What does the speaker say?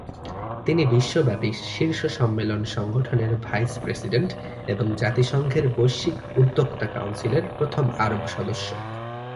তিনি বিশ্বব্যাপী শীর্ষ সম্মেলন সংগঠনের ভাইস-প্রেসিডেন্ট এবং জাতিসংঘের বৈশ্বিক উদ্যোক্তা কাউন্সিলের প্রথম আরব সদস্য।